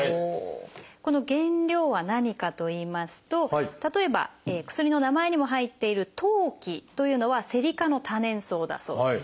この原料は何かといいますと例えば薬の名前にも入っている「当帰」というのはセリ科の多年草だそうです。